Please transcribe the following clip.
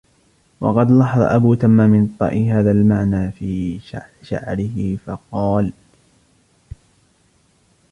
وَقَدْ لَحَظَ أَبُو تَمَّامٍ الطَّائِيُّ هَذَا الْمَعْنَى فِي شَعْرِهِ فَقَالَ